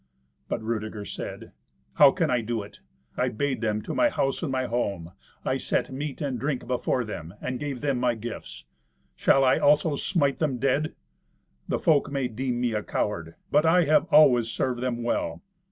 But Rudeger said, "How can I do it? I bade them to my house and home; I set meat and drink before them, and gave them my gifts. Shall I also smite them dead? The folk may deem me a coward. But I have always served them well.